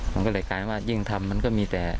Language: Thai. มันก็เลยกลายว่ายิ่งทำมันก็มีแต่